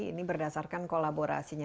ini berdasarkan kolaborasinya